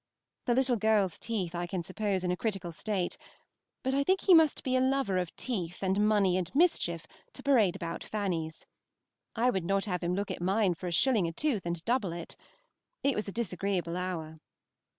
The little girls' teeth I can suppose in a critical state, but I think he must be a lover of teeth and money and mischief, to parade about Fanny's. I would not have had him look at mine for a shilling a tooth and double it. It was a disagreeable hour.